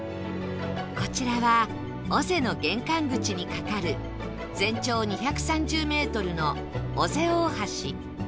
こちらは尾瀬の玄関口に架かる全長２３０メートルの尾瀬大橋